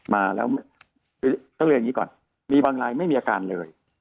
มาแล้วต้องเรียนอย่างนี้ก่อนมีบางรายไม่มีอาการเลย